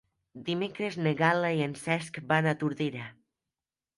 Dimecres na Gal·la i en Cesc van a Tordera.